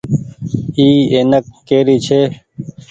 اي اينڪ ڪري ڇي۔